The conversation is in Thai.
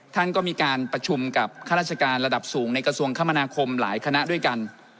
ท่านก็มีการประชุมกับข้าราชการระดับสูงในกระทรวงคมนาคมหลายคณะด้วยกัน